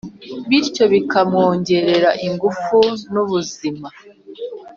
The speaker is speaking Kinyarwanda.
bityo bikamwongerera ingufu n’ubuzima